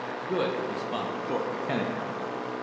"Good!" responded Thorpe mechanically.